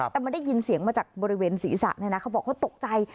แต่มันได้ยินเสียงมาจากบริเวณศีรษะเนี่ยนะเขาบอกเขาตกใจ